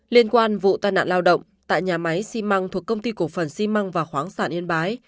liên quan vụ tai nạn lao động tại nhà máy xi măng thuộc công ty cổ phần xi măng và khoáng sản yên bái